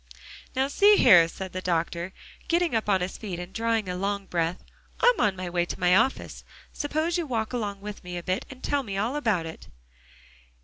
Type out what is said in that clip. "Now see here," said the doctor, getting up on his feet and drawing a long breath. "I'm on my way to my office; suppose you walk along with me a bit and tell me all about it."